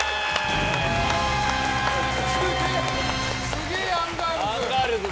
すげえアンガールズ！